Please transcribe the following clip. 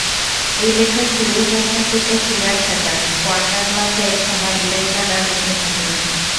এই লেখার শুরুর প্রশ্নটিতে ফিরে আসা যাক, কোয়ান্টাম লাফের সময় ইলেকট্রনরা কোথায় থাকে।